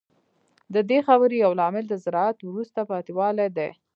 د دې خبرې یو لامل د زراعت وروسته پاتې والی دی